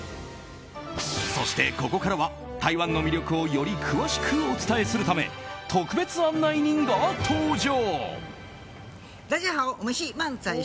そして、ここからは台湾の魅力をより詳しくお伝えするため特別案内人が登場。